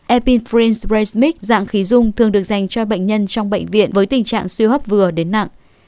epinference resmix dạng khí dung thường được dành cho bệnh nhân trong bệnh viện với tình trạng siêu hấp vừa đến nặng